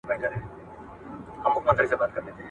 کله کله پر خپل ځای باندي درېږي `